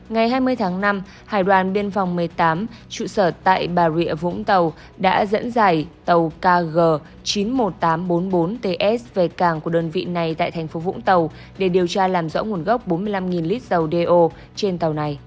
ngày hai mươi tháng năm hải đoàn biên phòng một mươi tám trụ sở tại bà rịa vũng tàu đã dẫn dải tàu kg chín mươi một nghìn tám trăm bốn mươi bốn ts về cảng của đơn vị này tại thành phố vũng tàu để điều tra làm rõ nguồn gốc bốn mươi năm lít dầu đeo trên tàu này